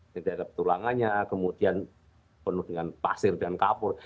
tidak ada tulangannya kemudian penuh dengan pasir dan kapur